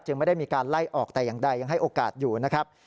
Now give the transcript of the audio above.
ไม่ได้มีการไล่ออกแต่อย่างใดยังให้โอกาสอยู่นะครับ